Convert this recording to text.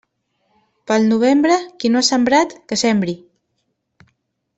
Pel novembre, qui no ha sembrat, que sembri.